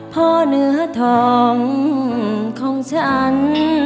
พ่อเหนือทองของฉัน